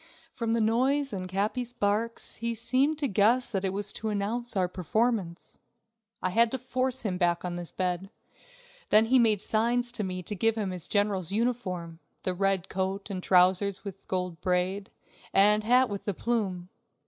From the noise and Capi's barks, he seemed to guess that it was to announce our performance. I had to force him back on his bed; then he made signs to me to give him his general's uniform the red coat and trousers with gold braid, and hat with the plume.